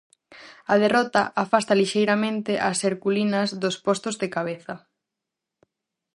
A derrota afasta lixeiramente ás herculinas dos postos de cabeza.